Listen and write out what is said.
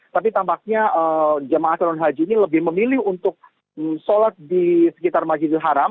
tapi tampaknya jemaah calon haji ini lebih memilih untuk sholat di sekitar masjidil haram